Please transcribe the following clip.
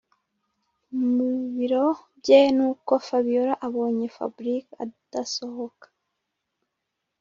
mubiro bye nuko fabiora abonye fabric adasohoka